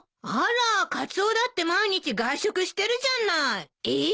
あらカツオだって毎日外食してるじゃない。